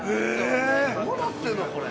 ◆どうなってんの、これ。